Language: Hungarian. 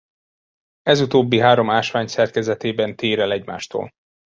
Ez utóbbi három ásvány szerkezetében tér el egymástól.